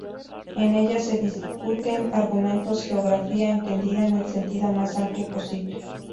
En ella se discuten argumentos de geografía, entendida en el sentido más amplio posible.